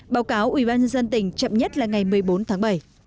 báo cáo ubnd tỉnh chậm nhất là ngày một mươi bốn tháng bảy